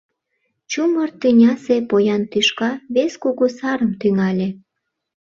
Чумыр тӱнясе поян тӱшка вес кугу сарым тӱҥале.